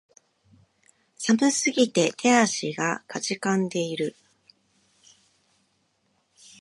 寒すぎて手足が悴んでいる